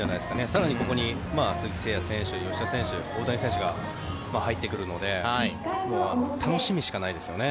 更にここに鈴木誠也選手吉田選手、大谷選手が入ってくるので楽しみしかないですよね。